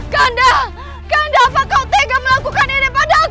kanda kanda apakah kau tega melakukan ini pada aku